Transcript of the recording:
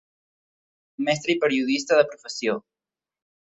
Mestre i periodista de professió.